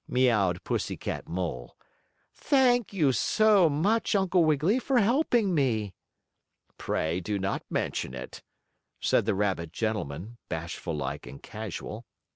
meowed Pussy Cat Mole. "Thank you so much, Uncle Wiggily, for helping me!" "Pray do not mention it," said the rabbit gentleman, bashful like and casual.